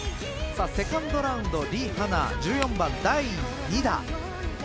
セカンドラウンドリ・ハナ１４番、第２打。